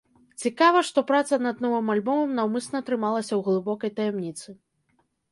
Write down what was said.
Цікава, што праца над новым альбомам наўмысна трымалася у глыбокай таямніцы.